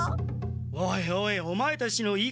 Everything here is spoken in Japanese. おいおいオマエたちの言い方